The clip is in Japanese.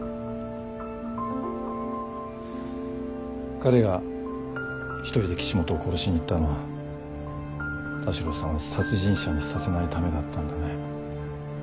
彼が１人で岸本を殺しに行ったのは田代さんを殺人者にさせないためだったんだね。